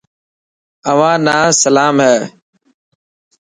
اوهان نا سلام هي.